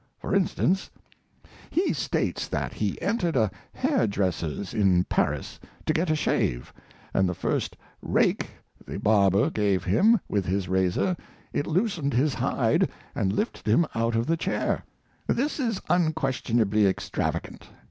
For instance: He states that he entered a hair dresser's in Paris to get a shave, and the first "rake" the barber gave him with his razor it loosened his "hide," and lifted him out of the chair. This is unquestionably extravagant.